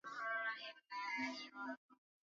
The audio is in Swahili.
wanaogunduliwa kila siku Sasa kwa kutumia teknolojia